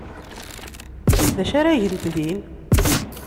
D acu ara gent din?